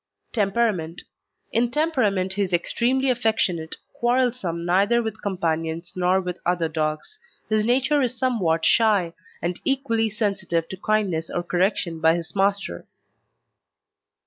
TEMPERAMENT In temperament he is extremely affectionate, quarrelsome neither with companions nor with other dogs. His nature is somewhat shy, and equally sensitive to kindness or correction by his master.